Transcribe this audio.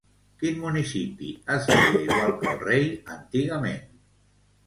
Quin municipi es deia igual que el rei antigament?